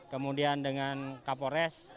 kemudian dengan kapolres